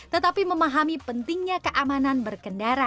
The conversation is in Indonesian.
tetapi memahami pentingnya keamanan berkendara